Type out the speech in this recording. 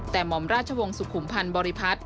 แต่หม่อมราชวงศ์สุขุมพันธ์บริพัฒน์